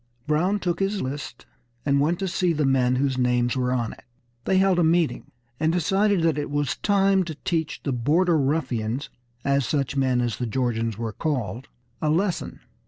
Brown took his list, and went to see the men whose names were on it. They held a meeting, and decided that it was time to teach the "border ruffians," as such men as the Georgians were called, a lesson.